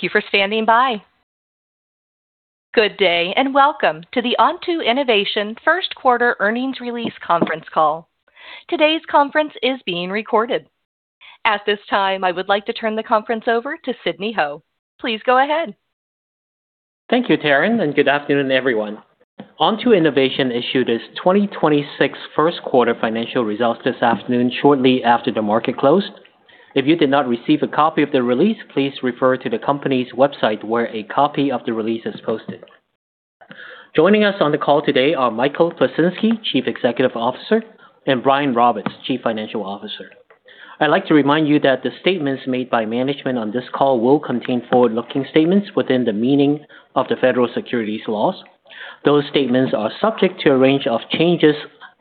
Thank you for standing by. Good day. Welcome to the Onto Innovation first quarter earnings release conference call. Today's conference is being recorded. At this time, I would like to turn the conference over to Sidney Ho. Please go ahead. Thank you, Taryn, and good afternoon, everyone. Onto Innovation issued its 2026 first quarter financial results this afternoon shortly after the market closed. If you did not receive a copy of the release, please refer to the company's website where a copy of the release is posted. Joining us on the call today are Michael Plisinski, Chief Executive Officer, and Brian Roberts, Chief Financial Officer. I'd like to remind you that the statements made by management on this call will contain forward-looking statements within the meaning of the federal securities laws. Those statements are subject to a range of changes,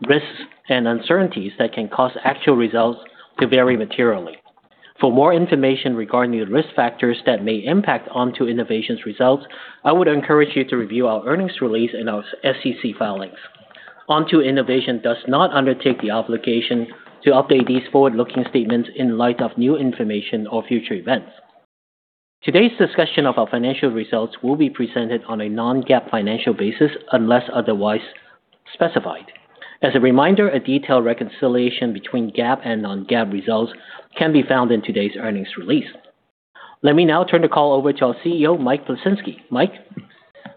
risks, and uncertainties that can cause actual results to vary materially. For more information regarding the risk factors that may impact Onto Innovation's results, I would encourage you to review our earnings release and our SEC filings. Onto Innovation does not undertake the obligation to update these forward-looking statements in light of new information or future events. Today's discussion of our financial results will be presented on a non-GAAP financial basis unless otherwise specified. As a reminder, a detailed reconciliation between GAAP and non-GAAP results can be found in today's earnings release. Let me now turn the call over to our CEO, Mike Plisinski. Mike?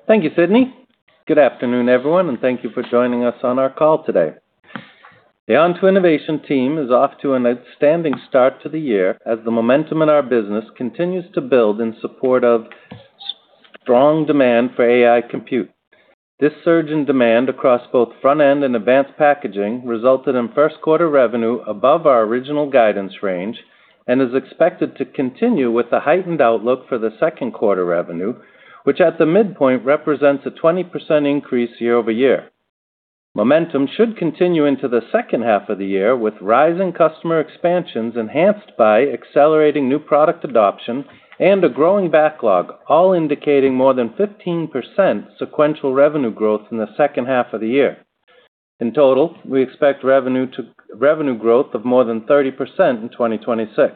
Thank you, Sidney. Good afternoon, everyone, and thank you for joining us on our call today. The Onto Innovation team is off to an outstanding start to the year as the momentum in our business continues to build in support of strong demand for AI compute. This surge in demand across both front-end and advanced packaging resulted in first quarter revenue above our original guidance range and is expected to continue with the heightened outlook for the second quarter revenue, which at the midpoint represents a 20% increase year-over-year. Momentum should continue into the second half of the year with rising customer expansions enhanced by accelerating new product adoption and a growing backlog, all indicating more than 15% sequential revenue growth in the second half of the year. In total, we expect revenue growth of more than 30% in 2026.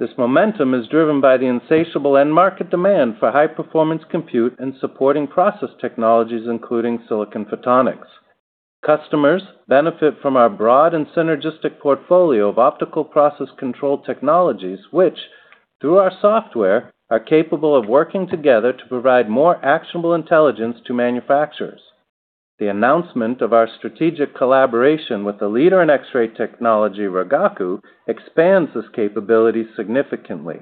This momentum is driven by the insatiable end market demand for high-performance compute and supporting process technologies, including silicon photonics. Customers benefit from our broad and synergistic portfolio of optical process control technologies, which, through our software, are capable of working together to provide more actionable intelligence to manufacturers. The announcement of our strategic collaboration with the leader in X-ray technology, Rigaku, expands this capability significantly.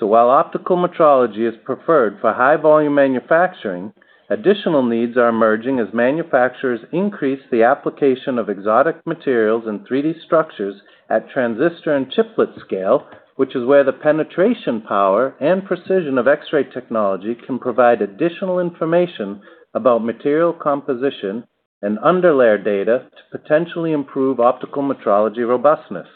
While optical metrology is preferred for high-volume manufacturing, additional needs are emerging as manufacturers increase the application of exotic materials and 3D structures at transistor and chiplet scale, which is where the penetration power and precision of X-ray technology can provide additional information about material composition and underlayer data to potentially improve optical metrology robustness.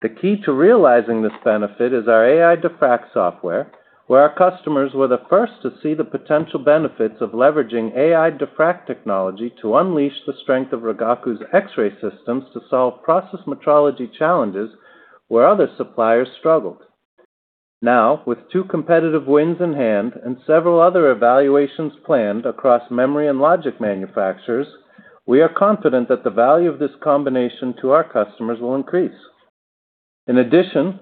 The key to realizing this benefit is our Ai Diffract software, where our customers were the first to see the potential benefits of leveraging Ai Diffract technology to unleash the strength of Rigaku's X-ray systems to solve process metrology challenges where other suppliers struggled. With two competitive wins in hand and several other evaluations planned across memory and logic manufacturers, we are confident that the value of this combination to our customers will increase. In addition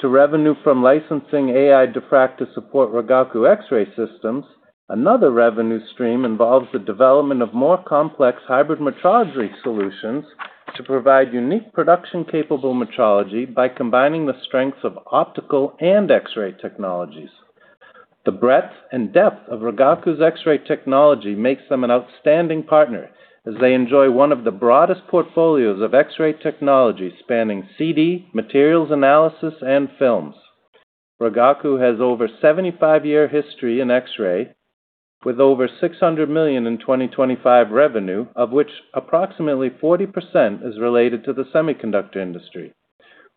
to revenue from licensing Ai Diffract to support Rigaku X-ray systems, another revenue stream involves the development of more complex hybrid metrology solutions to provide unique production-capable metrology by combining the strengths of optical and X-ray technologies. The breadth and depth of Rigaku's X-ray technology makes them an outstanding partner as they enjoy one of the broadest portfolios of X-ray technology spanning CD, materials analysis, and films. Rigaku has over 75-year history in X-ray with over $600 million in 2025 revenue, of which approximately 40% is related to the semiconductor industry.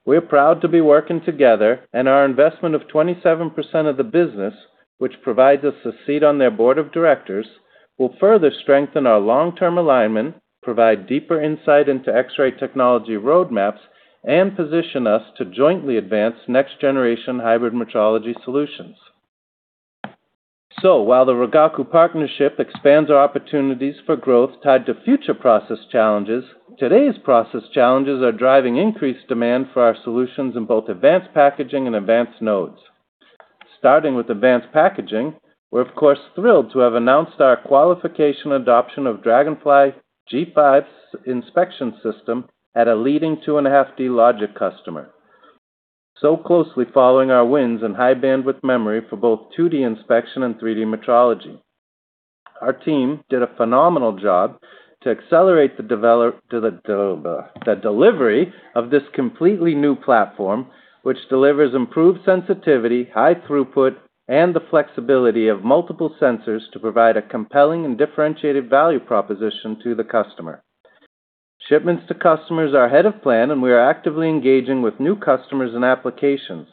We're proud to be working together, and our investment of 27% of the business, which provides us a seat on their board of directors, will further strengthen our long-term alignment, provide deeper insight into X-ray technology roadmaps, and position us to jointly advance next-generation hybrid metrology solutions. While the Rigaku partnership expands our opportunities for growth tied to future process challenges, today's process challenges are driving increased demand for our solutions in both advanced packaging and advanced nodes. Starting with advanced packaging, we're of course thrilled to have announced our qualification adoption of Dragonfly G5's inspection system at a leading 2.5D logic customer, closely following our wins in high-bandwidth memory for both 2D inspection and 3D metrology. Our team did a phenomenal job to accelerate the delivery of this completely new platform, which delivers improved sensitivity, high throughput, and the flexibility of multiple sensors to provide a compelling and differentiated value proposition to the customer. Shipments to customers are ahead of plan, we are actively engaging with new customers and applications.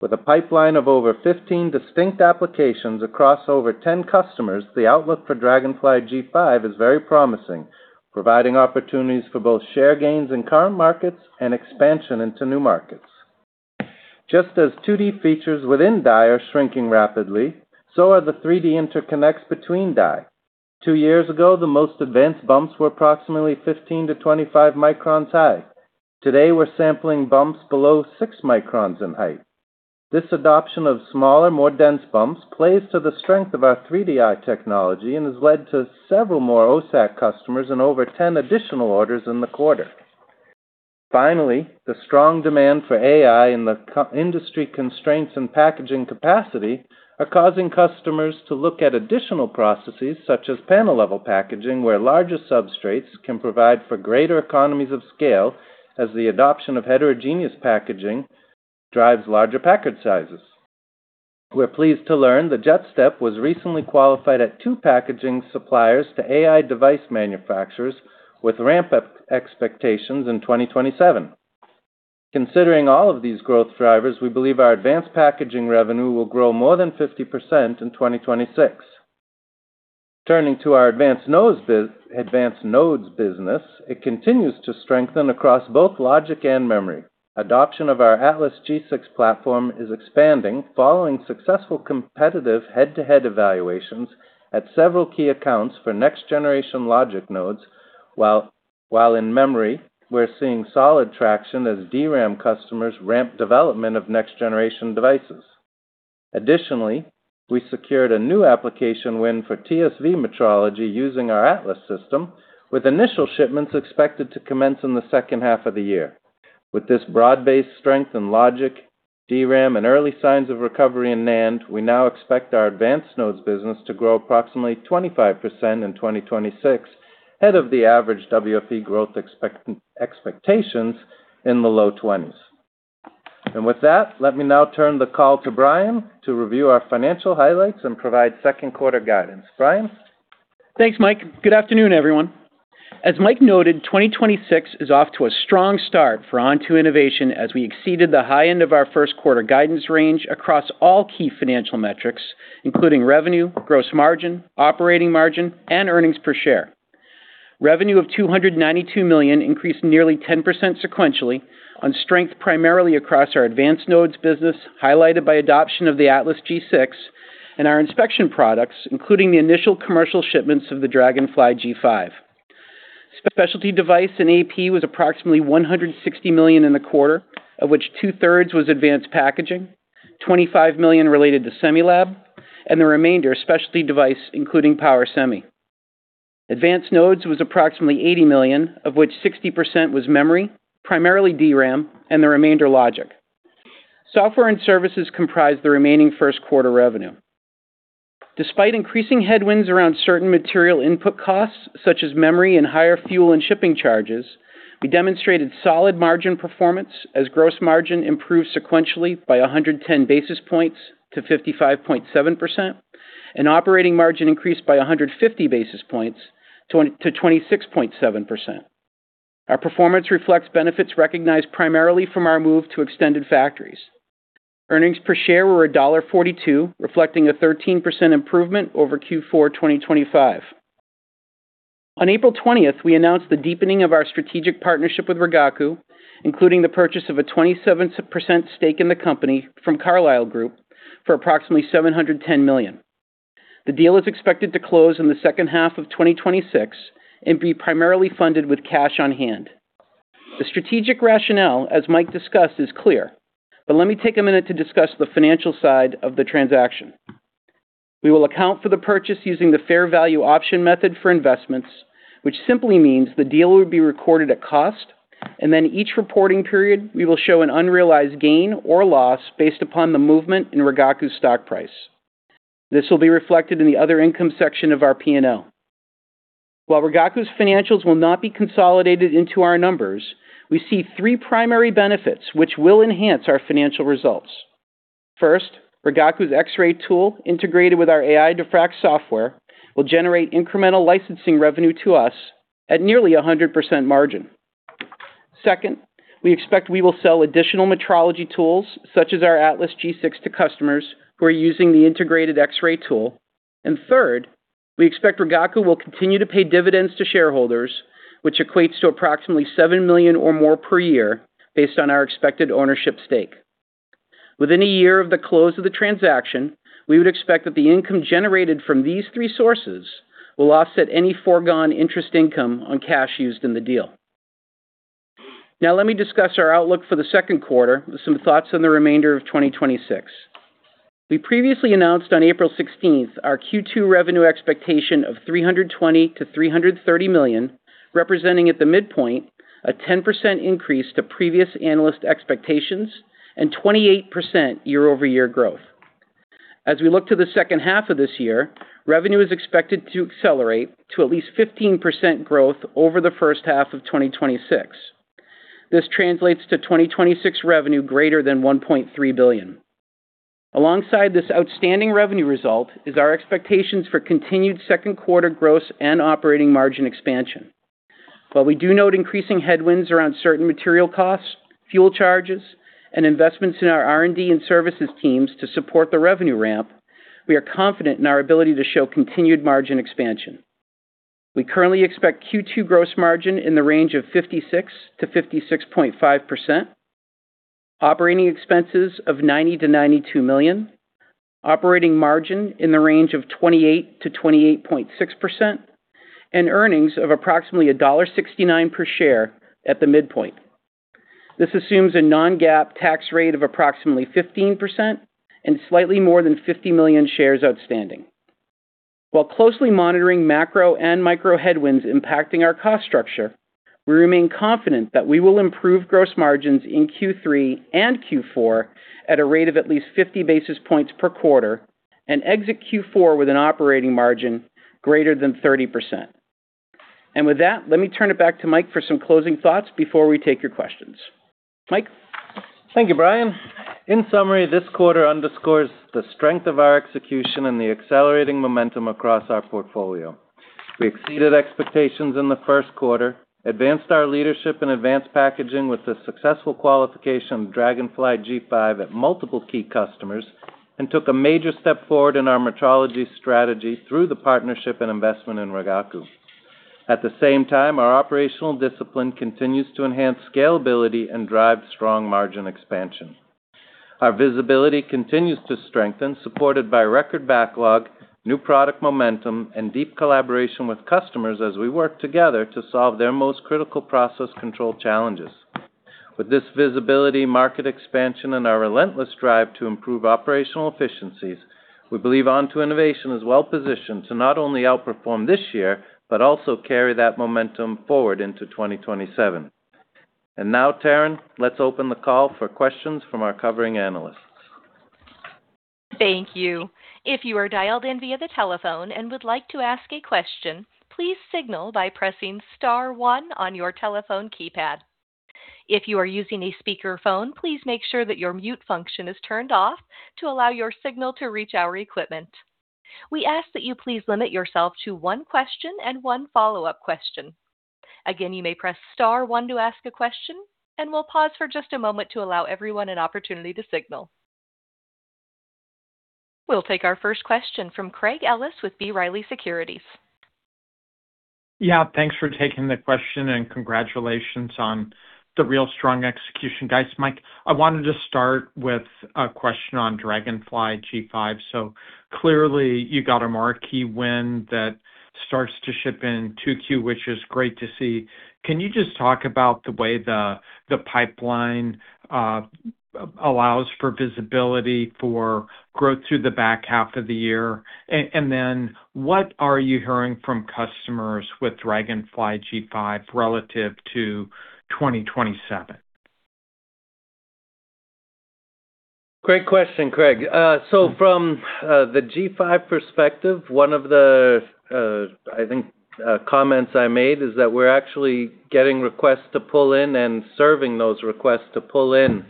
With a pipeline of over 15 distinct applications across over 10 customers, the outlook for Dragonfly G5 is very promising, providing opportunities for both share gains in current markets and expansion into new markets. Just as 2D features within die are shrinking rapidly, so are the 3D interconnects between die. Two years ago, the most advanced bumps were approximately 15 µm-25 µm high. Today, we're sampling bumps below 6 µm in height. This adoption of smaller, more dense bumps plays to the strength of our 3Di technology and has led to several more OSAT customers and over 10 additional orders in the quarter. Finally, the strong demand for AI and the industry constraints and packaging capacity are causing customers to look at additional processes such as panel-level packaging, where larger substrates can provide for greater economies of scale as the adoption of heterogeneous packaging drives larger package sizes. We're pleased to learn that JetStep was recently qualified at two packaging suppliers to AI device manufacturers with ramp up expectations in 2027. Considering all of these growth drivers, we believe our advanced packaging revenue will grow more than 50% in 2026. Turning to our advanced nodes business, it continues to strengthen across both logic and memory. Adoption of our Atlas G6 platform is expanding following successful competitive head-to-head evaluations at several key accounts for next-generation logic nodes, while in memory, we're seeing solid traction as DRAM customers ramp development of next-generation devices. Additionally, we secured a new application win for TSV metrology using our Atlas system, with initial shipments expected to commence in the second half of the year. With this broad-based strength in logic, DRAM, and early signs of recovery in NAND, we now expect our advanced nodes business to grow approximately 25% in 2026, ahead of the average WFE growth expectations in the low 20%s. With that, let me now turn the call to Brian to review our financial highlights and provide second quarter guidance. Brian. Thanks, Mike. Good afternoon, everyone. As Mike noted, 2026 is off to a strong start for Onto Innovation as we exceeded the high end of our first quarter guidance range across all key financial metrics, including revenue, gross margin, operating margin, and earnings per share. Revenue of $292 million increased nearly 10% sequentially on strength primarily across our advanced nodes business, highlighted by adoption of the Atlas G6 and our inspection products, including the initial commercial shipments of the Dragonfly G5. Specialty device in AP was approximately $160 million in the quarter, of which two-thirds was advanced packaging, $25 million related to Semilab, and the remainder specialty device, including power semi. Advanced nodes was approximately $80 million, of which 60% was memory, primarily DRAM, and the remainder logic. Software and services comprise the remaining first quarter revenue. Despite increasing headwinds around certain material input costs, such as memory and higher fuel and shipping charges, we demonstrated solid margin performance as gross margin improved sequentially by 110 basis points to 55.7%, and operating margin increased by 150 basis points to 26.7%. Our performance reflects benefits recognized primarily from our move to extended factories. Earnings per share were $1.42, reflecting a 13% improvement over Q4 2025. On April 20th, we announced the deepening of our strategic partnership with Rigaku, including the purchase of a 27% stake in the company from Carlyle Group for approximately $710 million. The deal is expected to close in the second half of 2026 and be primarily funded with cash on hand. The strategic rationale, as Mike discussed, is clear, but let me take a minute to discuss the financial side of the transaction. We will account for the purchase using the fair value option method for investments, which simply means the deal will be recorded at cost, and then each reporting period, we will show an unrealized gain or loss based upon the movement in Rigaku's stock price. This will be reflected in the other income section of our P&L. While Rigaku's financials will not be consolidated into our numbers, we see three primary benefits which will enhance our financial results. First, Rigaku's X-ray tool integrated with our AI Diffract software will generate incremental licensing revenue to us at nearly a 100% margin. Second, we expect we will sell additional metrology tools, such as our Atlas G6 to customers who are using the integrated X-ray tool. Third, we expect Rigaku will continue to pay dividends to shareholders, which equates to approximately $7 million or more per year based on our expected ownership stake. Within one year of the close of the transaction, we would expect that the income generated from these three sources will offset any foregone interest income on cash used in the deal. Let me discuss our outlook for the second quarter with some thoughts on the remainder of 2026. We previously announced on April 16th, our Q2 revenue expectation of $320 million-$330 million, representing at the midpoint a 10% increase to previous analyst expectations and 28% year-over-year growth. We look to the second half of this year, revenue is expected to accelerate to at least 15% growth over the first half of 2026. This translates to 2026 revenue greater than $1.3 billion. Alongside this outstanding revenue result is our expectations for continued Q2 gross and operating margin expansion. While we do note increasing headwinds around certain material costs, fuel charges, and investments in our R&D and services teams to support the revenue ramp, we are confident in our ability to show continued margin expansion. We currently expect Q2 gross margin in the range of 56%-56.5%. Operating expenses of $90 million-$92 million. Operating margin in the range of 28%-28.6%, and earnings of approximately $1.69 per share at the midpoint. This assumes a non-GAAP tax rate of approximately 15% and slightly more than 50 million shares outstanding. While closely monitoring macro and micro headwinds impacting our cost structure, we remain confident that we will improve gross margins in Q3 and Q4 at a rate of at least 50 basis points per quarter and exit Q4 with an operating margin greater than 30%. With that, let me turn it back to Mike for some closing thoughts before we take your questions. Mike? Thank you, Brian. In summary, this quarter underscores the strength of our execution and the accelerating momentum across our portfolio. We exceeded expectations in the first quarter, advanced our leadership in advanced packaging with the successful qualification of Dragonfly G5 at multiple key customers, and took a major step forward in our metrology strategy through the partnership and investment in Rigaku. At the same time, our operational discipline continues to enhance scalability and drive strong margin expansion. Our visibility continues to strengthen, supported by record backlog, new product momentum, and deep collaboration with customers as we work together to solve their most critical process control challenges. With this visibility, market expansion, and our relentless drive to improve operational efficiencies, we believe Onto Innovation is well-positioned to not only outperform this year, but also carry that momentum forward into 2027. Now, Taryn, let's open the call for questions from our covering analysts. Thank you. If you are dialed in via the telephone and would like to ask a question, please signal by pressing star one on your telephone keypad. If you are using a speakerphone, please make sure that your mute function is turned off to allow your signal to reach our equipment. We ask that you please limit yourself to one question and one follow-up question. Again, you may press star one to ask a question, and we'll pause for just a moment to allow everyone an opportunity to signal. We'll take our first question from Craig Ellis with B. Riley Securities. Yeah, thanks for taking the question, and congratulations on the real strong execution, guys. Mike, I wanted to start with a question on Dragonfly G5. Clearly you got a marquee win that starts to ship in 2Q, which is great to see. Can you just talk about the way the pipeline allows for visibility for growth through the back half of the year? What are you hearing from customers with Dragonfly G5 relative to 2027? Great question, Craig. From the G5 perspective, one of the comments I made is that we're actually getting requests to pull in and serving those requests to pull in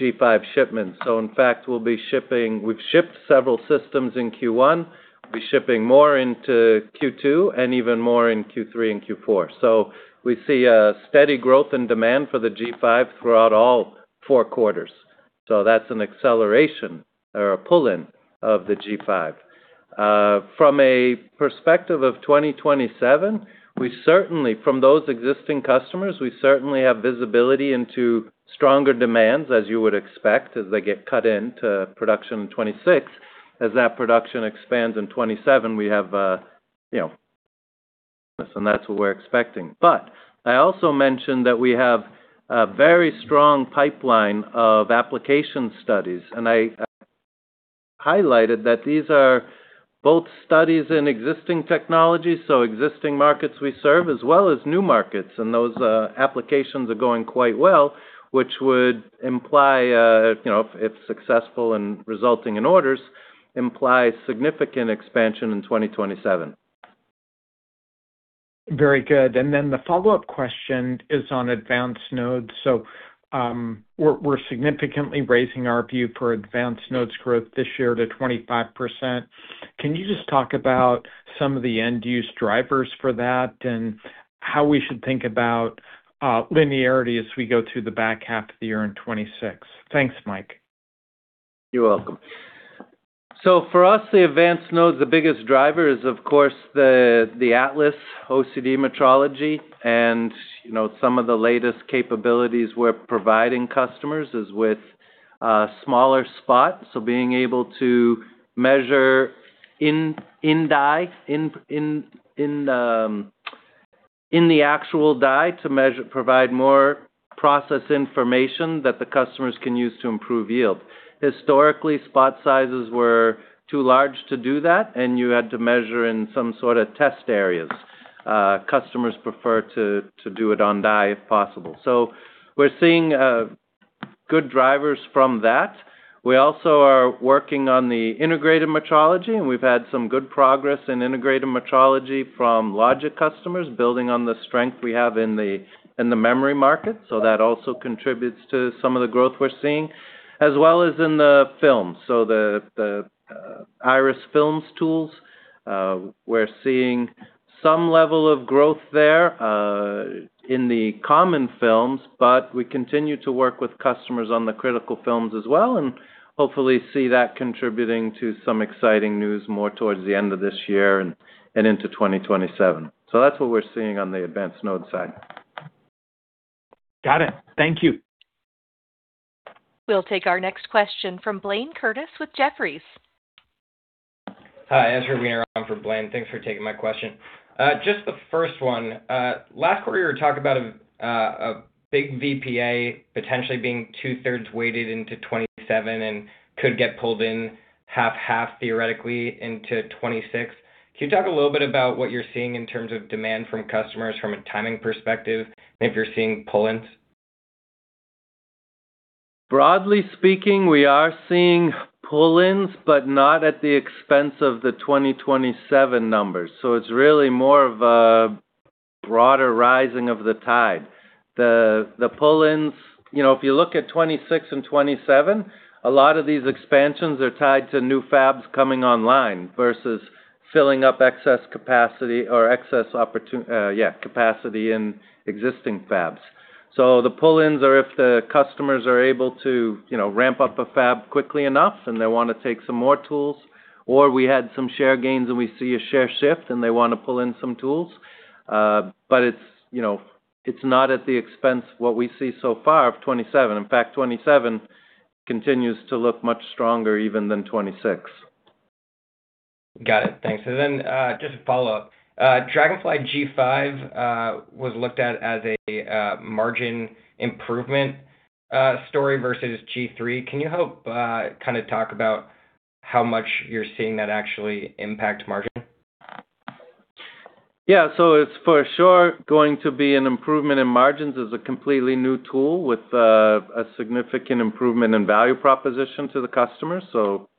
G5 shipments. In fact, we've shipped several systems in Q1. We'll be shipping more into Q2 and even more in Q3 and Q4. We see a steady growth in demand for the G5 throughout all four quarters. That's an acceleration or a pull-in of the G5. From a perspective of 2027, we certainly, from those existing customers, we certainly have visibility into stronger demands, as you would expect, as they get cut in to production in 2026. As that production expands in 2027, we have, you know, and that's what we're expecting. I also mentioned that we have a very strong pipeline of application studies, and I highlighted that these are both studies in existing technology, so existing markets we serve, as well as new markets. Those applications are going quite well, which would imply, you know, if successful and resulting in orders, implies significant expansion in 2027. Very good. Then the follow-up question is on advanced nodes. We're significantly raising our view for advanced nodes growth this year to 25%. Can you just talk about some of the end-use drivers for that and how we should think about linearity as we go through the back half of the year in 2026? Thanks, Mike. You're welcome. For us, the advanced nodes, the biggest driver is, of course, the Atlas OCD metrology. You know, some of the latest capabilities we're providing customers is with smaller spot. Being able to measure in the actual die to provide more process information that the customers can use to improve yield. Historically, spot sizes were too large to do that, and you had to measure in some sort of test areas. Customers prefer to do it on die if possible. We're seeing good drivers from that. We also are working on the integrated metrology, and we've had some good progress in integrated metrology from logic customers, building on the strength we have in the memory market. That also contributes to some of the growth we're seeing, as well as in the film. The Iris films tools, we're seeing some level of growth there, in the common films, but we continue to work with customers on the critical films as well, and hopefully see that contributing to some exciting news more towards the end of this year and into 2027. That's what we're seeing on the advanced node side. Got it. Thank you. We'll take our next question from Blayne Curtis with Jefferies. Hi, Ezra Weener on for Blayne. Thanks for taking my question. Just the first one. Last quarter you were talking about a big VPA potentially being two-thirds weighted into 2027 and could get pulled in half-half theoretically into 2026. Can you talk a little bit about what you're seeing in terms of demand from customers from a timing perspective, and if you're seeing pull-ins? Broadly speaking, we are seeing pull-ins, not at the expense of the 2027 numbers. It's really more of a broader rising of the tide. The pull-ins, you know, if you look at 2026 and 2027, a lot of these expansions are tied to new fabs coming online versus filling up excess capacity or excess, yeah, capacity in existing fabs. The pull-ins are if the customers are able to, you know, ramp up a fab quickly enough and they wanna take some more tools, or we had some share gains and we see a share shift and they want to pull in some tools. It's, you know, it's not at the expense what we see so far of 2027. In fact, 2027 continues to look much stronger even than 2026. Got it. Thanks. Just to follow up, Dragonfly G5 was looked at as a margin improvement story versus G3. Can you help kind of talk about how much you're seeing that actually impact margin? It's for sure going to be an improvement in margins as a completely new tool with a significant improvement in value proposition to the customer.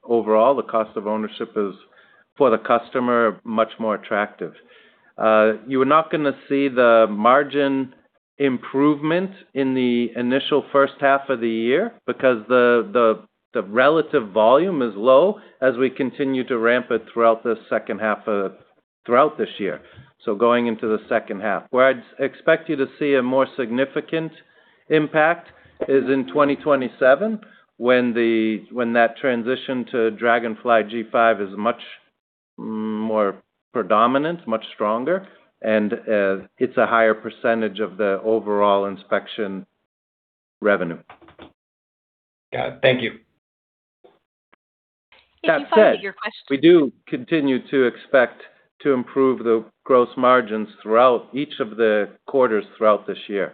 Overall, the cost of ownership is, for the customer, much more attractive. You are not gonna see the margin improvement in the initial first half of the year because the relative volume is low as we continue to ramp it throughout the second half of this year. Going into the second half. Where I'd expect you to see a more significant impact is in 2027 when that transition to Dragonfly G5 is much more predominant, much stronger, and it's a higher percentage of the overall inspection revenue. Got it. Thank you. That said. If you find that your. We do continue to expect to improve the gross margins throughout each of the quarters throughout this year.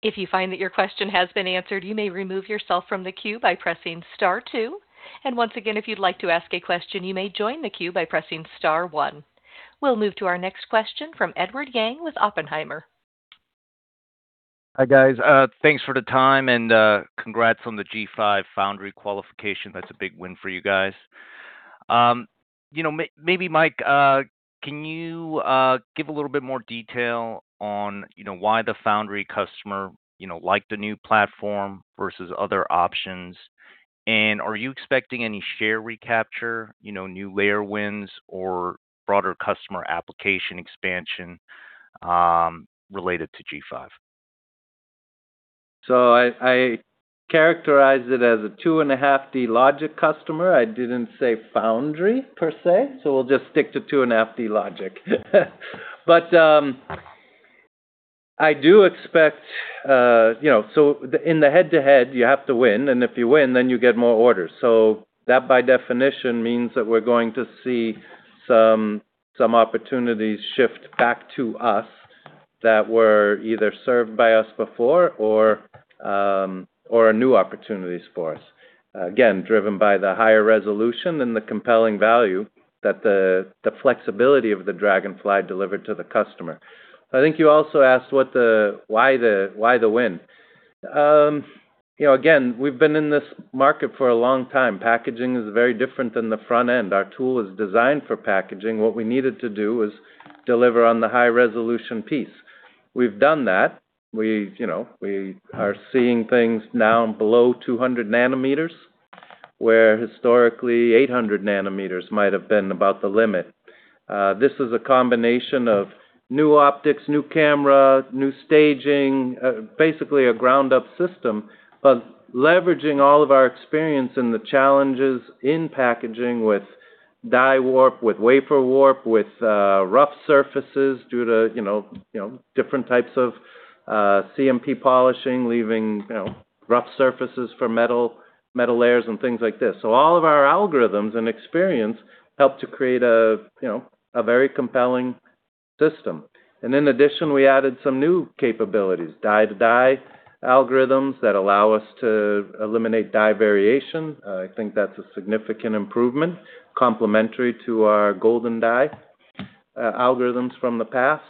If you find that your question has been answered, you may remove yourself from the queue by pressing star two. Once again, if you'd like to ask a question, you may join the queue by pressing star one. We'll move to our next question from Edward Yang with Oppenheimer. Hi, guys. Thanks for the time, and congrats on the G5 foundry qualification. That's a big win for you guys. You know, Mike, can you give a little bit more detail on, you know, why the foundry customer, you know, liked the new platform versus other options? Are you expecting any share recapture, you know, new layer wins or broader customer application expansion, related to G5? I characterized it as a 2.5D logic customer. I didn't say foundry per se, we'll just stick to 2.5D logic. I do expect, you know in the head-to-head, you have to win, and if you win, then you get more orders. That by definition means that we're going to see some opportunities shift back to us that were either served by us before or are new opportunities for us. Again, driven by the higher resolution and the compelling value that the flexibility of the Dragonfly delivered to the customer. I think you also asked why the win. You know, again, we've been in this market for a long time. Packaging is very different than the front end. Our tool is designed for packaging. What we needed to do was deliver on the high resolution piece. We've done that. We, you know, we are seeing things now below 200 nm, where historically 800 nm might have been about the limit. This is a combination of new optics, new camera, new staging, basically a ground up system. Leveraging all of our experience and the challenges in packaging with die warp, with wafer warp, with rough surfaces due to, you know, you know, different types of CMP polishing, leaving, you know, rough surfaces for metal layers and things like this. All of our algorithms and experience help to create a, you know, a very compelling system. In addition, we added some new capabilities, die-to-die algorithms that allow us to eliminate die variation. I think that's a significant improvement, complementary to our golden die algorithms from the past.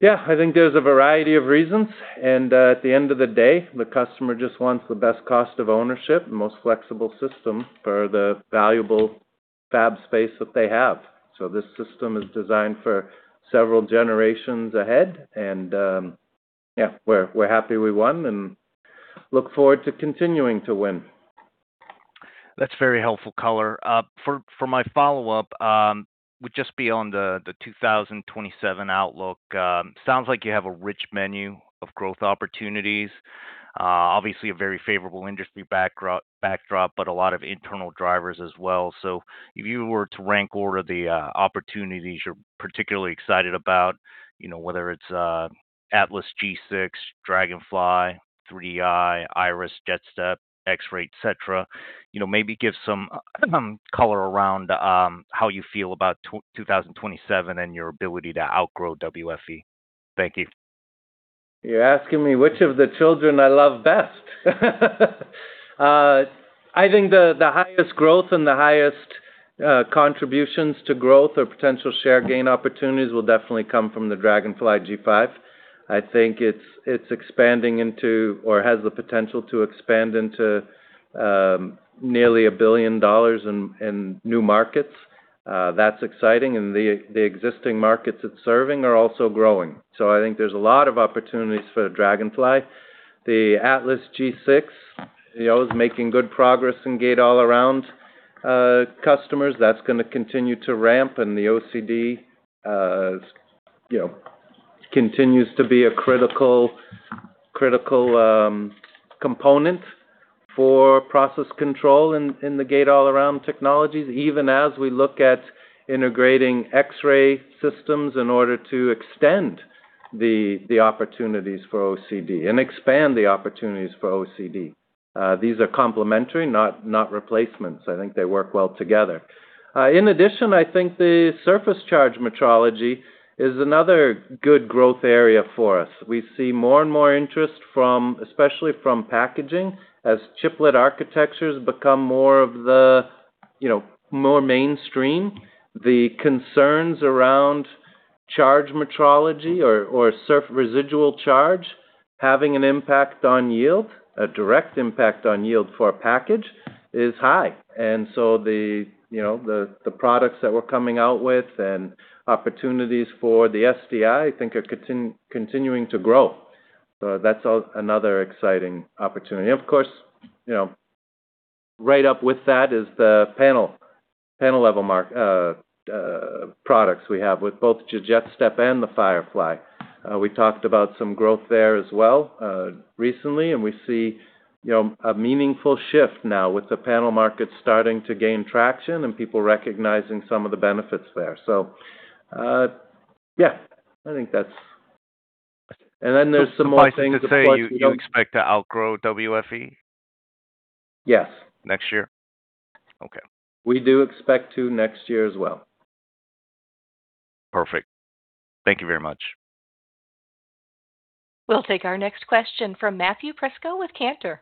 Yeah, I think there's a variety of reasons. At the end of the day, the customer just wants the best cost of ownership and most flexible system for the valuable fab space that they have. This system is designed for several generations ahead. Yeah, we're happy we won and look forward to continuing to win. That's very helpful color. For my follow-up, would just be on the 2027 outlook. Sounds like you have a rich menu of growth opportunities. Obviously a very favorable industry backdrop, but a lot of internal drivers as well. If you were to rank order the opportunities you're particularly excited about, you know, whether it's Atlas G6, Dragonfly, 3Di, Iris, JetStep, X-Ray, et cetera, you know, maybe give some color around how you feel about 2027 and your ability to outgrow WFE. Thank you. You're asking me which of the children I love best. I think the highest growth and the highest contributions to growth or potential share gain opportunities will definitely come from the Dragonfly G5. I think it's expanding into, or has the potential to expand into, nearly $1 billion in new markets. That's exciting. The existing markets it's serving are also growing. I think there's a lot of opportunities for the Dragonfly. The Atlas G6, you know, is making good progress in gate-all-around customers. That's gonna continue to ramp, and the OCD, you know, continues to be a critical component for process control in the gate-all-around technologies, even as we look at integrating X-ray systems in order to extend the opportunities for OCD and expand the opportunities for OCD. These are complementary, not replacements. I think they work well together. In addition, I think the surface charge metrology is another good growth area for us. We see more and more interest from, especially from packaging. As chiplet architectures become more of the, you know, more mainstream, the concerns around charge metrology or residual charge having an impact on yield, a direct impact on yield for a package, is high. The, you know, the products that we're coming out with and opportunities for the SDI, I think are continuing to grow. That's another exciting opportunity. Of course, you know, right up with that is the panel level mark products we have with both the JetStep and the Firefly. We talked about some growth there as well, recently. We see, you know, a meaningful shift now with the panel market starting to gain traction and people recognizing some of the benefits there. Yeah, I think that's. Then there's some more things, of course. Suffice it to say you expect to outgrow WFE? Yes. Next year? Okay. We do expect to next year as well. Perfect. Thank you very much. We'll take our next question from Matthew Prisco with Cantor.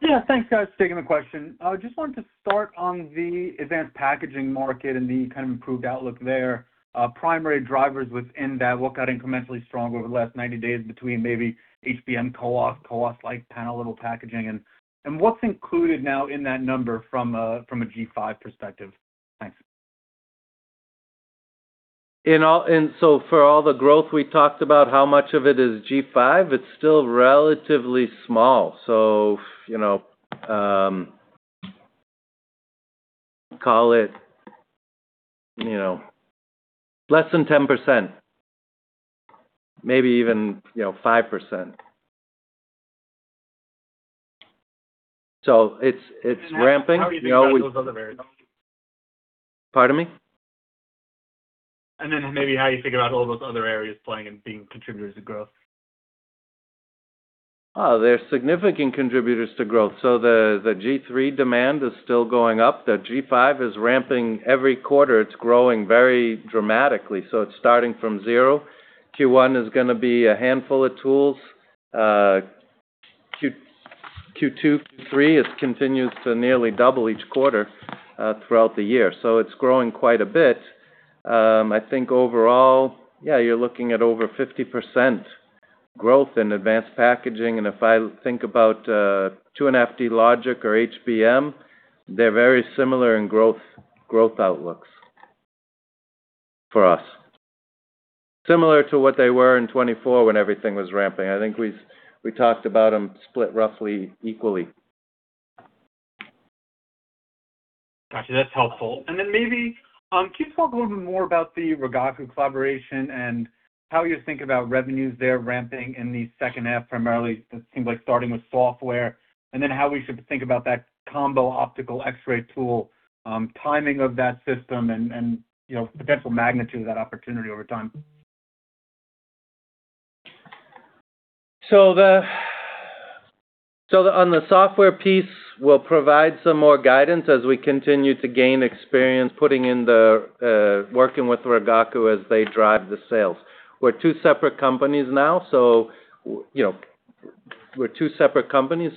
Yeah. Thanks, guys. Taking the question. I just wanted to start on the advanced packaging market and the kind of improved outlook there. Primary drivers within that work out incrementally stronger over the last 90 days between maybe HBM co-packaged optics-like panel-level packaging and what's included now in that number from a G5 perspective. Thanks. For all the growth we talked about, how much of it is G5, it's still relatively small. you know, call it, you know, less than 10%, maybe even, you know, 5%. it's ramping. How are you thinking about those other areas? Pardon me? Then maybe how you think about all those other areas playing and being contributors to growth. They're significant contributors to growth. The G3 demand is still going up. The G5 is ramping every quarter. It's growing very dramatically. It's starting from zero. Q1 is going to be a handful of tools. Q2, Q3, it continues to nearly double each quarter throughout the year. It's growing quite a bit. I think overall, yeah, you're looking at over 50% growth in advanced packaging. If I think about 2.5D logic or HBM, they're very similar in growth outlooks for us. Similar to what they were in 2024 when everything was ramping. I think we talked about them split roughly equally. Got you. That's helpful. Can you talk a little bit more about the Rigaku collaboration and how you think about revenues there ramping in the second half, primarily it seems like starting with software. How we should think about that combo optical X-ray tool, timing of that system and, you know, potential magnitude of that opportunity over time. On the software piece, we'll provide some more guidance as we continue to gain experience putting in the working with Rigaku as they drive the sales. We're two separate companies now, you know,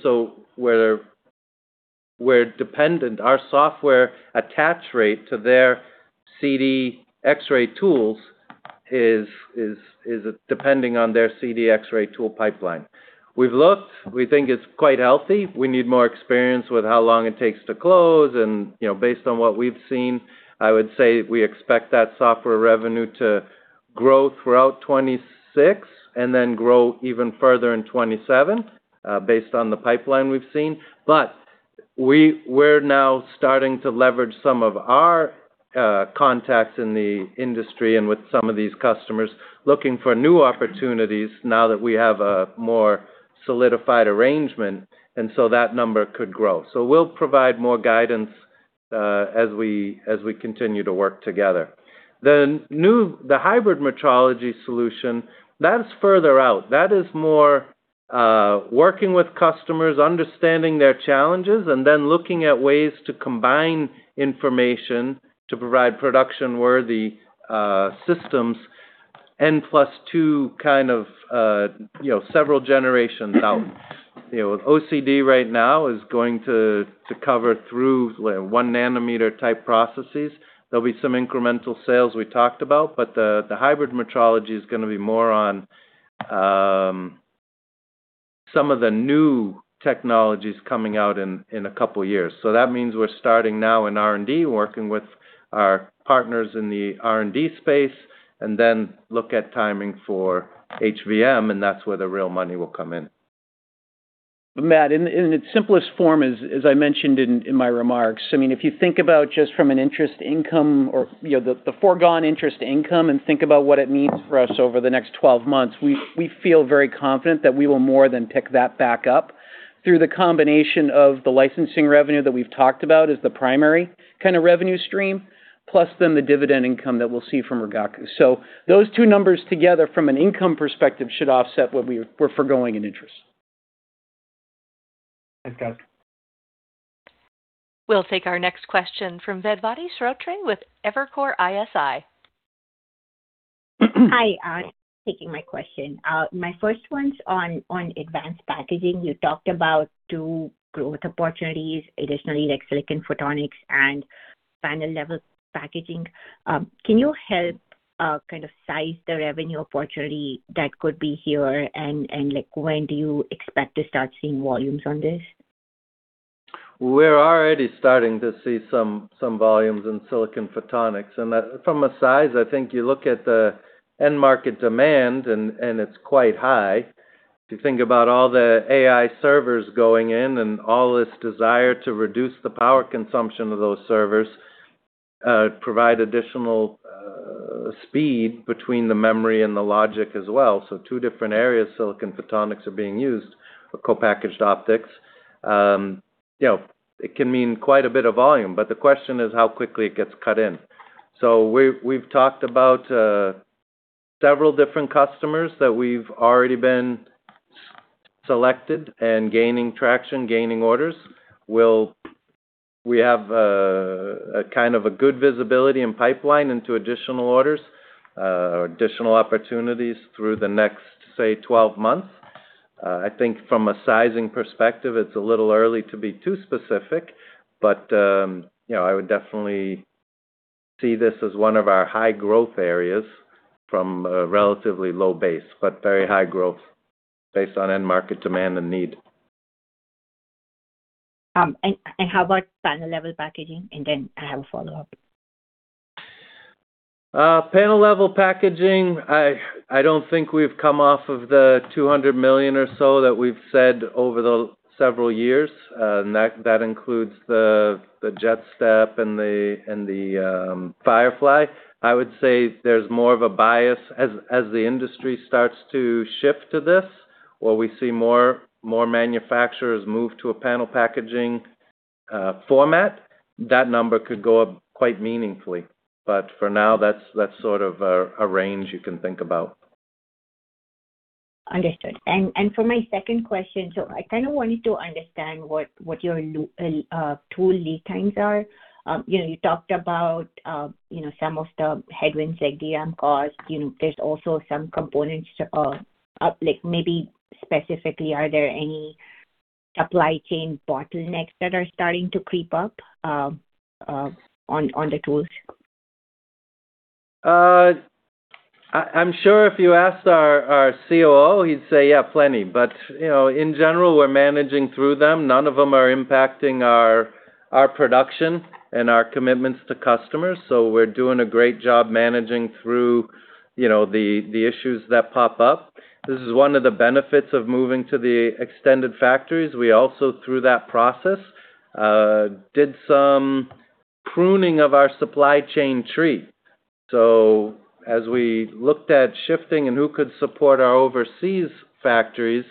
so we're dependent. Our software attach rate to their CD X-ray tools is depending on their CD X-ray tool pipeline. We've looked, we think it's quite healthy. We need more experience with how long it takes to close and, you know, based on what we've seen, I would say we expect that software revenue to grow throughout 2026 and then grow even further in 2027 based on the pipeline we've seen. We're now starting to leverage some of our contacts in the industry and with some of these customers looking for new opportunities now that we have a more solidified arrangement. That number could grow. We'll provide more guidance as we continue to work together. The hybrid metrology solution, that's further out. That is more working with customers, understanding their challenges, and then looking at ways to combine information to provide production-worthy systems N+2 kind of, you know, several generations out. You know, OCD right now is going to cover through, well, 1 nm type processes. There'll be some incremental sales we talked about, but the hybrid metrology is gonna be more on some of the new technologies coming out in two years. That means we're starting now in R&D, working with our partners in the R&D space, and then look at timing for HVM, and that's where the real money will come in. Matt, in its simplest form, as I mentioned in my remarks, I mean, if you think about just from an interest income or, you know, the foregone interest income and think about what it means for us over the next 12 months, we feel very confident that we will more than pick that back up through the combination of the licensing revenue that we've talked about as the primary kind of revenue stream, plus then the dividend income that we'll see from Rigaku. Those two numbers together from an income perspective should offset what we're forgoing in interest. Thanks, guys. We'll take our next question from Vedvati Shrotre with Evercore ISI. Hi, thanks for taking my question. My first one's on advanced packaging. You talked about two growth opportunities, additionally, like silicon photonics and panel-level packaging. Can you help kind of size the revenue opportunity that could be here, and like, when do you expect to start seeing volumes on this? We're already starting to see some volumes in silicon photonics. From a size, I think you look at the end market demand and it's quite high. If you think about all the AI servers going in and all this desire to reduce the power consumption of those servers, provide additional speed between the memory and the logic as well. Two different areas silicon photonics are being used, co-packaged optics. You know, it can mean quite a bit of volume, but the question is how quickly it gets cut in. We've talked about several different customers that we've already been selected and gaining traction, gaining orders. We have a kind of a good visibility and pipeline into additional orders or additional opportunities through the next, say, 12 months. I think from a sizing perspective, it's a little early to be too specific, but, you know, I would definitely see this as one of our high growth areas from a relatively low base, but very high growth based on end market demand and need. How about panel-level packaging? Then I have a follow-up. Panel-level packaging, I don't think we've come off of the $200 million or so that we've said over the several years. That, that includes the JetStep and the Firefly. I would say there's more of a bias as the industry starts to shift to this, where we see more manufacturers move to a panel packaging format, that number could go up quite meaningfully. For now, that's sort of a range you can think about. Understood. For my second question, I kind of wanted to understand what your tool lead times are. You know, you talked about, you know, some of the headwinds like DRAM cost. You know, there's also some components up like maybe specifically, are there any supply chain bottlenecks that are starting to creep up on the tools? I'm sure if you asked our COO, he'd say, "Yeah, plenty." You know, in general, we're managing through them. None of them are impacting our production and our commitments to customers. We're doing a great job managing through, you know, the issues that pop up. This is one of the benefits of moving to the extended factories. We also, through that process, did some pruning of our supply chain tree. As we looked at shifting and who could support our overseas factories,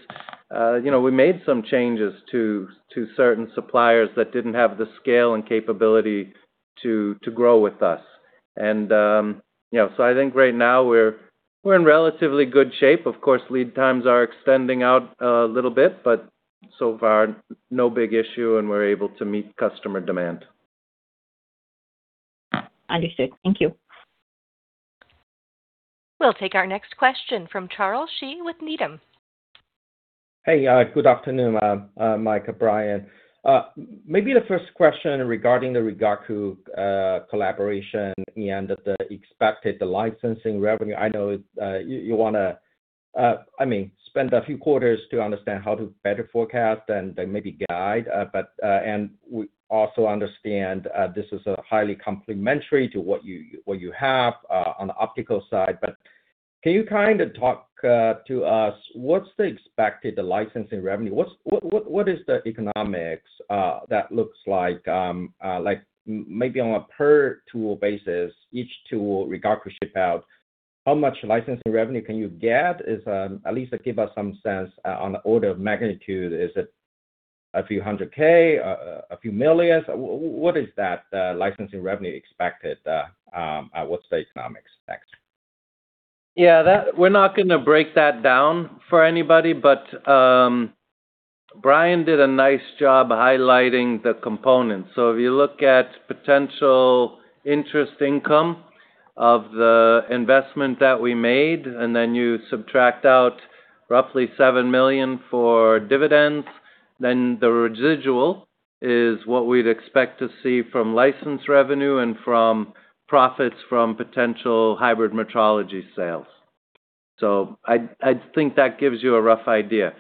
you know, we made some changes to certain suppliers that didn't have the scale and capability to grow with us. You know, I think right now we're in relatively good shape. Of course, lead times are extending out a little bit, but so far, no big issue, and we're able to meet customer demand. Understood. Thank you. We'll take our next question from Charles Shi with Needham. Hey, good afternoon, Mike, Brian. Maybe the first question regarding the Rigaku collaboration and the expected licensing revenue. I know, you wanna, I mean, spend a few quarters to understand how to better forecast and then maybe guide. We also understand, this is highly complementary to what you, what you have on the optical side. Can you kind of talk to us what's the expected licensing revenue? What is the economics that looks like maybe on a per tool basis, each tool, regardless about how much licensing revenue can you get? Is, at least give us some sense on the order of magnitude. Is it a few hundred thousands, a few millions? What is that licensing revenue expected, at what's the economics expect? We're not going to break that down for anybody. Brian did a nice job highlighting the components. If you look at potential interest income of the investment that we made, then you subtract out roughly $7 million for dividends, then the residual is what we'd expect to see from license revenue and from profits from potential hybrid metrology sales. I think that gives you a rough idea.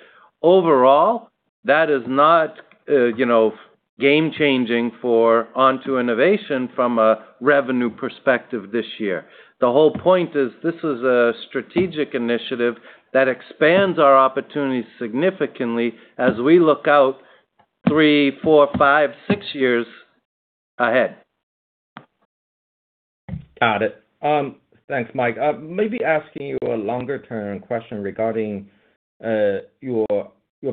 Overall, that is not, you know, game changing for Onto Innovation from a revenue perspective this year. The whole point is this is a strategic initiative that expands our opportunities significantly as we look out three, four, five, six years ahead. Got it. Thanks, Mike. Maybe asking you a longer-term question regarding your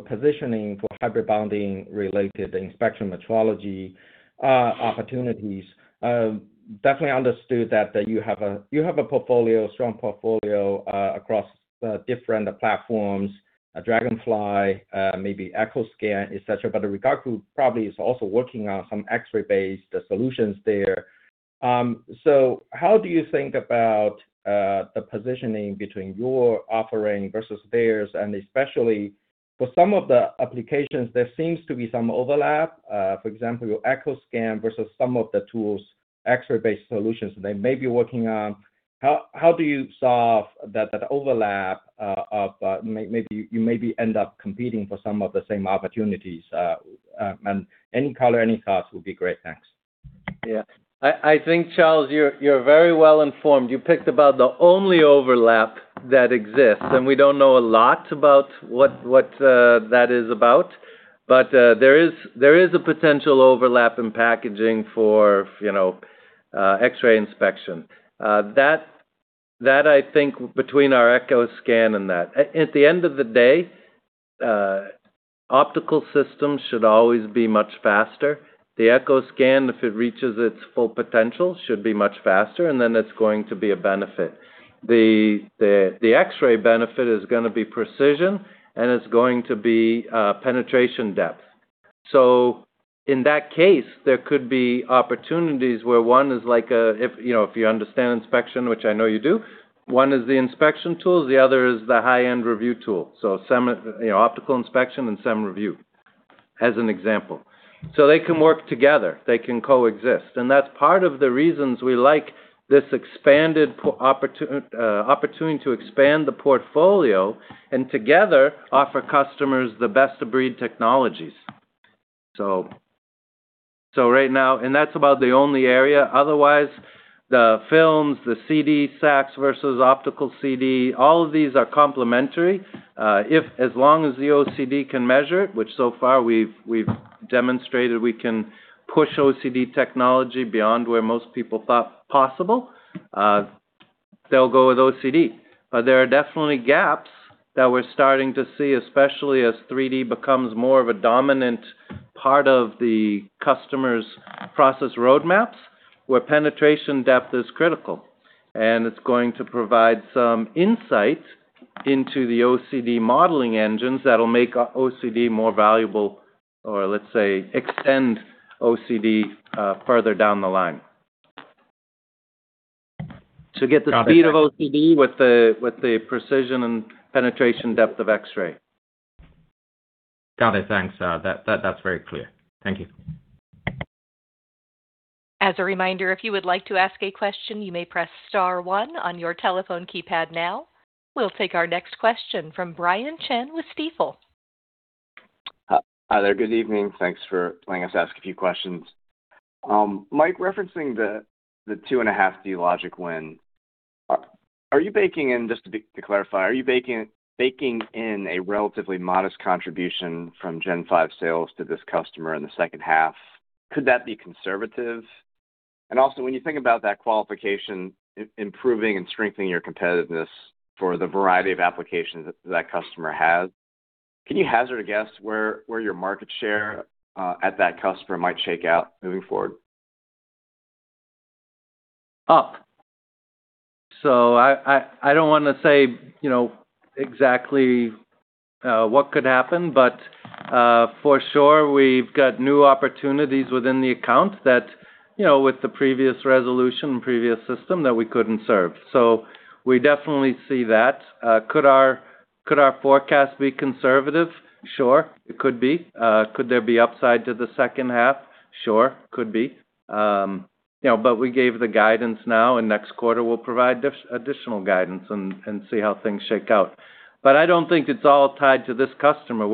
positioning for hybrid bonding related inspection metrology opportunities. Definitely understood that you have a portfolio, strong portfolio, across different platforms, Dragonfly, maybe EchoScan, et cetera. The Rigaku probably is also working on some X-ray based solutions there. How do you think about the positioning between your offering versus theirs, and especially for some of the applications, there seems to be some overlap, for example, your EchoScan versus some of the tools X-ray based solutions they may be working on. How do you solve that overlap of maybe you end up competing for some of the same opportunities, any color, any thoughts would be great. Thanks. Yeah. I think, Charles, you're very well informed. You picked about the only overlap that exists. We don't know a lot about what that is about. There is a potential overlap in packaging for, you know, X-ray inspection. That I think between our EchoScan and that. At the end of the day, optical systems should always be much faster. The EchoScan, if it reaches its full potential, should be much faster. Then it's going to be a benefit. The X-ray benefit is gonna be precision. It's going to be penetration depth. In that case, there could be opportunities where one is like a, if, you know, if you understand inspection, which I know you do, one is the inspection tools, the other is the high-end review tool. Some, you know, optical inspection and some review, as an example. They can work together. They can coexist, and that's part of the reasons we like this expanded opportunity to expand the portfolio and together offer customers the best-of-breed technologies. Right now, and that's about the only area. Otherwise, the films, the CD-SAXS versus optical CD, all of these are complementary. As long as the OCD can measure it, which so far we've demonstrated we can push OCD technology beyond where most people thought possible, they'll go with OCD. There are definitely gaps that we're starting to see, especially as 3D becomes more of a dominant part of the customer's process roadmaps, where penetration depth is critical. It's going to provide some insight into the OCD modeling engines that'll make OCD more valuable, or let's say, extend OCD, further down the line. Got it. To get the speed of OCD with the precision and penetration depth of X-ray. Got it. Thanks. That's very clear. Thank you. As a reminder, if you would like to ask a question, you may press star one on your telephone keypad now. We'll take our next question from Brian Chin with Stifel. Hi there. Good evening. Thanks for letting us ask a few questions. Mike, referencing the 2.5D logic win, are you baking in, to clarify, are you baking in a relatively modest contribution from Gen 5 sales to this customer in the second half? Could that be conservative? When you think about that qualification, improving and strengthening your competitiveness for the variety of applications that customer has, can you hazard a guess where your market share at that customer might shake out moving forward? Up. I don't wanna say, you know, exactly what could happen, but for sure we've got new opportunities within the account that, you know, with the previous resolution, previous system that we couldn't serve. We definitely see that. Could our forecast be conservative? Sure, it could be. Could there be upside to the second half? Sure, could be. You know, we gave the guidance now, and next quarter we'll provide additional guidance and see how things shake out. I don't think it's all tied to this customer.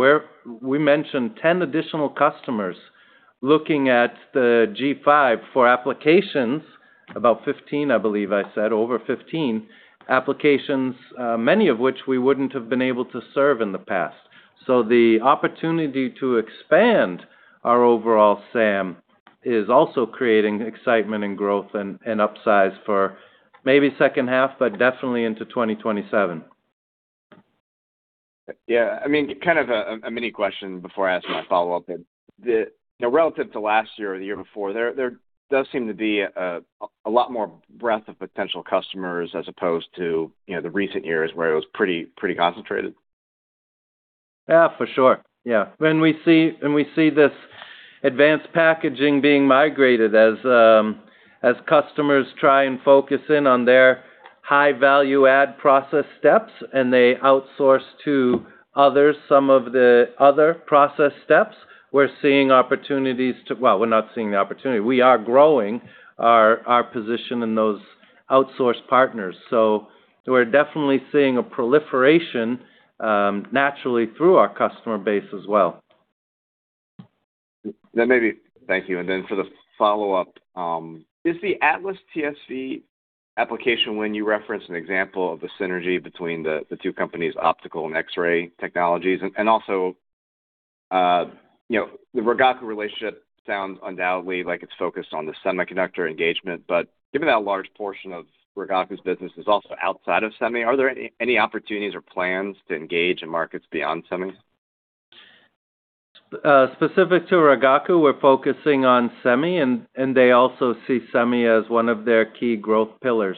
We mentioned 10 additional customers looking at the G5 for applications, about 15, I believe I said, over 15 applications, many of which we wouldn't have been able to serve in the past. The opportunity to expand our overall SAM is also creating excitement and growth and upsize for maybe second half, but definitely into 2027. Yeah. I mean, kind of a mini-question before I ask my follow-up. The, you know, relative to last year or the year before, there does seem to be a lot more breadth of potential customers as opposed to, you know, the recent years where it was pretty concentrated. Yeah, for sure. Yeah. When we see this advanced packaging being migrated as customers try and focus in on their high value add process steps, and they outsource to others some of the other process steps, we're seeing opportunities to Well, we're not seeing the opportunity. We are growing our position in those outsource partners. We're definitely seeing a proliferation naturally through our customer base as well. Thank you. For the follow-up, is the Atlas TSV application when you reference an example of the synergy between the two companies, optical and X-ray technologies? Also, you know, the Rigaku relationship sounds undoubtedly like it's focused on the semiconductor engagement, but given that a large portion of Rigaku's business is also outside of semi, are there any opportunities or plans to engage in markets beyond semi? Specific to Rigaku, we're focusing on semi, and they also see semi as one of their key growth pillars.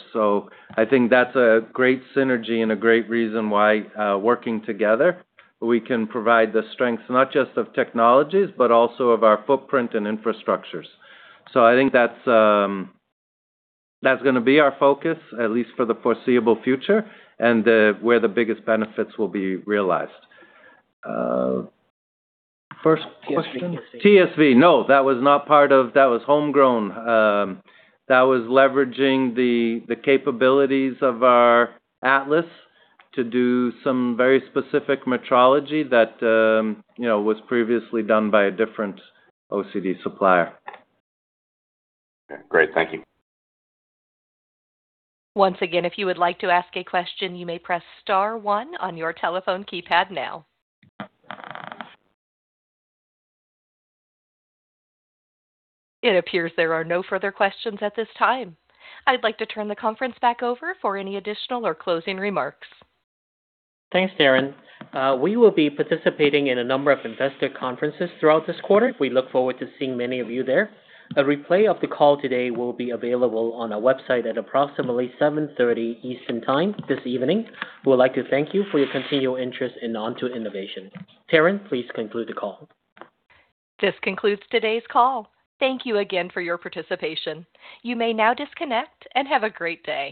I think that's a great synergy and a great reason why, working together, we can provide the strengths, not just of technologies, but also of our footprint and infrastructures. I think that's gonna be our focus, at least for the foreseeable future, and where the biggest benefits will be realized. First question? TSV. TSV. No, that was homegrown. That was leveraging the capabilities of our Atlas to do some very specific metrology that, you know, was previously done by a different OCD supplier. Okay. Great. Thank you. Once again, if you would like to ask a question, you may press star one on your telephone keypad now. It appears there are no further questions at this time. I'd like to turn the conference back over for any additional or closing remarks. Thanks, Taryn. We will be participating in a number of investor conferences throughout this quarter. We look forward to seeing many of you there. A replay of the call today will be available on our website at approximately 7:30 Eastern Time this evening. We would like to thank you for your continued interest in Onto Innovation. Taryn, please conclude the call. This concludes today's call. Thank you again for your participation. You may now disconnect, and have a great day.